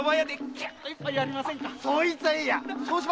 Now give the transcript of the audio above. そいつはいいや。